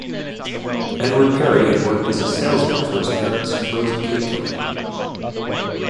Edward Perry had worked as a salesman for his parents' frozen cake company.